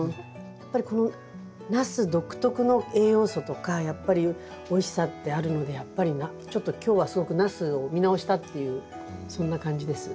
やっぱりこのナス独特の栄養素とかやっぱりおいしさってあるのでちょっと今日はすごくナスを見直したっていうそんな感じです。